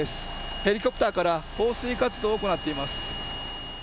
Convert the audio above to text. ヘリから放水活動を行っています。